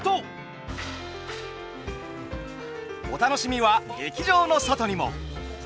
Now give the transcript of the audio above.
お楽しみは劇場の外にも。